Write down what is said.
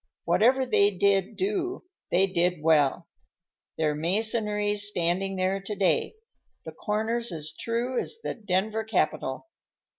Whatever they did do, they did well. Their masonry's standing there to day, the corners as true as the Denver Capitol.